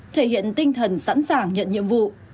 thể hiện tinh thần sẵn sàng nhận nhiệm vụ